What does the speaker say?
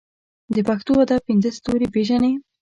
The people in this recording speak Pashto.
د پښتو ادب پنځه ستوري پېژنې.